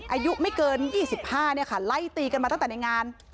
อายุไม่เกินยี่สิบห้าเนี้ยค่ะไล่ตีกันมาตั้งแต่ในงาน